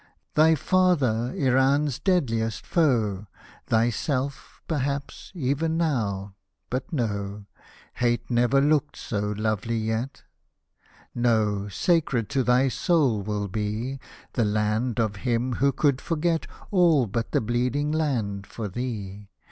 Thy father Iran's deadliest foe — Thyself, perhaps, even now — but no Hate never looked so lovely yet ! No — sacred to thy soul will be The land of him who could forget All but that bleeding land for thee.